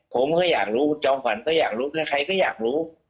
ผมก็อยากรู้จอมขวัญก็อยากรู้นะใครก็อยากรู้